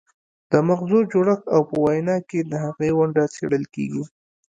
د مغزو جوړښت او په وینا کې د هغې ونډه څیړل کیږي